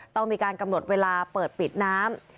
ต้องมีการกำหนดเวลาเปิดปิดน้ำ